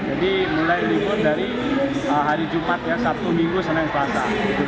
jadi mulai libur dari hari jumat ya sabtu minggu senin suasa